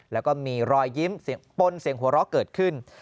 แล้วก็มีรอยยิ้มเสียงป้นเสียงหัวเราะเกิดขึ้น